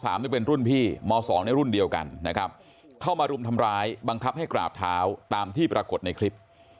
นี่เป็นรุ่นพี่ม๒ในรุ่นเดียวกันนะครับเข้ามารุมทำร้ายบังคับให้กราบเท้าตามที่ปรากฏในคลิป